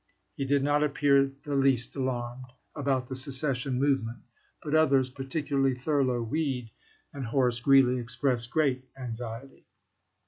He did not appear the least alarmed about the secession movement, but others, particu larly Thmiow Weed and Horace Greeley, expressed great anxiety."